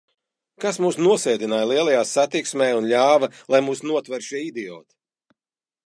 Kas mūs nosēdināja lielajā satiksmē un ļāva, lai mūs notver šie idioti?